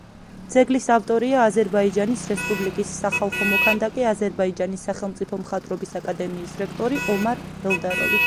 ძეგლის ავტორია აზერბაიჯანის რესპუბლიკის სახალხო მოქანდაკე, აზერბაიჯანის სახელმწიფო მხატვრობის აკადემიის რექტორი ომარ ელდაროვი.